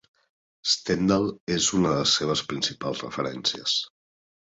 Stendhal és una de les seves principals referències.